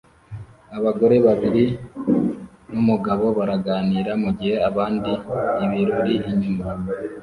Abagore babiri numugabo baraganira mugihe abandi ibirori inyuma